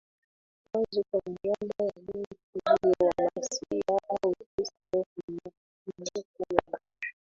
wazi kwa niaba ya Mungu ujio wa Masiya au Kristo Kumbukumbu ya